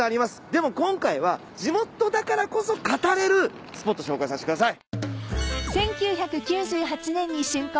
でも今回は地元だからこそ語れるスポット紹介させてください。